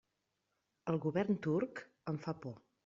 El govern turc em fa por.